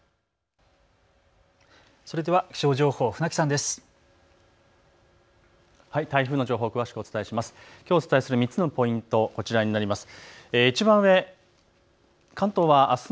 それでは気象情報船木さんです。